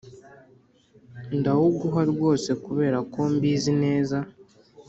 ndawuguha rwose kubera ko mbizi neza